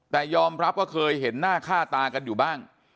แต่ยอมรับว่าเคยเห็นหน้าค่าตากันอยู่บ้าง